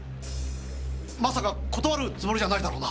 まさか断るつもりじゃないだろうな？